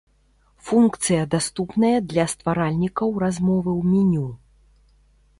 Функцыя даступная для стваральнікаў размовы ў меню.